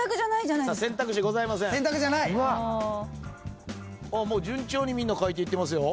あっ順調にみんな書いていってますよ。